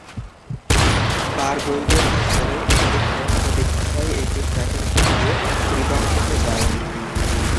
বারগোইডের উত্তরে, একটি ট্রেন প্রতি ঘন্টায় একটি ট্র্যাকের উপর দিয়ে রিদমনিতে যায়।